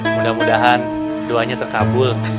mudah mudahan doanya terkabul